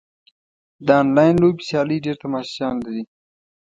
د انلاین لوبو سیالۍ ډېر تماشچیان لري.